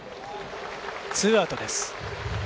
ツーアウトです。